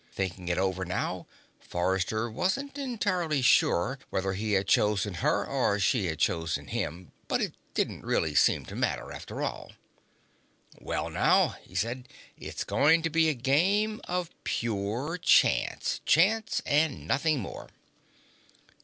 Thinking it over now, Forrester wasn't entirely sure whether he had chosen her or she had chosen him, but it didn't really seem to matter, after all. "Well, now," he said, "it's going to be a game of pure chance. Chance and nothing more."